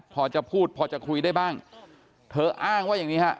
พอจะพูดพอจะคุยได้บ้างเธออ้างว่าอย่างนี้ฮะ